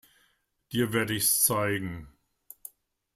Dir werd ich's zeigen.